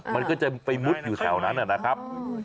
มันก็จะไปมุดอยู่ทนะครับ